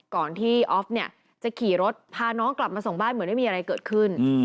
ก่อนที่ออฟเนี่ยจะขี่รถพาน้องกลับมาส่งบ้านเหมือนไม่มีอะไรเกิดขึ้น